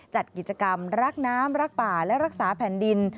จัดกิจกรรมรักน้ำรักป่าและรักษาแผ่นดิน